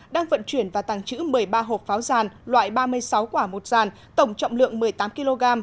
đang vận chuyển và tàng trữ một mươi ba hộp pháo giàn loại ba mươi sáu quả một dàn tổng trọng lượng một mươi tám kg